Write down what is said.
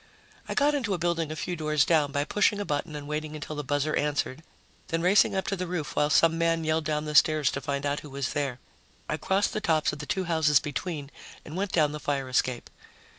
I got into a building a few doors down by pushing a button and waiting until the buzzer answered, then racing up to the roof while some man yelled down the stairs to find out who was there. I crossed the tops of the two houses between and went down the fire escape.